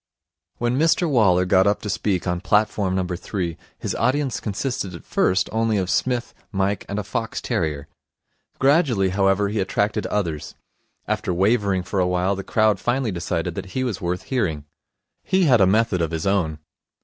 When Mr Waller got up to speak on platform number three, his audience consisted at first only of Psmith, Mike, and a fox terrier. Gradually however, he attracted others. After wavering for a while, the crowd finally decided that he was worth hearing. He had a method of his own.